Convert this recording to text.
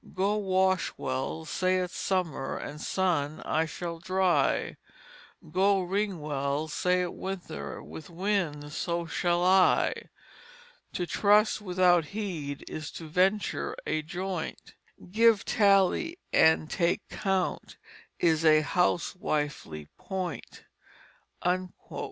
Go wash well, saith summer, with sun I shall dry; Go wring well, saith winter, with wind so shall I. To trust without heed is to venture a joint, Give tale and take count is a housewifely point."